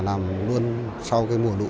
làm luôn sau mùa đủ